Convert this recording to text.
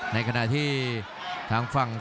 และอัพพิวัตรสอสมนึก